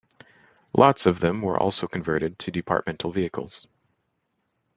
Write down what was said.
Lots of them were also converted to departmental vehicles.